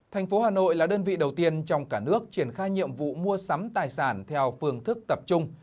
thành phố hà nội là đơn vị đầu tiên trong cả nước triển khai nhiệm vụ mua sắm tài sản theo phương thức tập trung